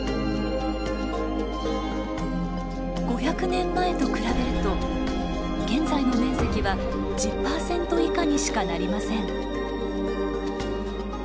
５００年前と比べると現在の面積は１０％以下にしかなりません。